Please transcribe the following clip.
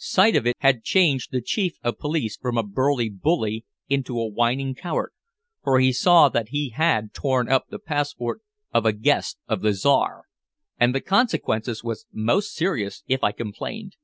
Sight of it had changed the Chief of Police from a burly bully into a whining coward, for he saw that he had torn up the passport of a guest of the Czar, and the consequence was most serious if I complained.